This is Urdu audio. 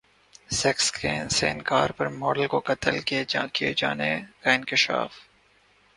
سیکس سے انکار پر ماڈل کا قتل کیے جانے کا انکشاف